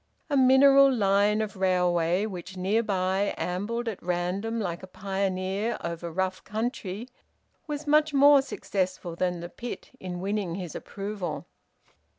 A mineral line of railway which, near by, ambled at random like a pioneer over rough country, was much more successful than the pit in winning his approval.